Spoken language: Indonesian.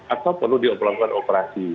atau perlu dilakukan operasi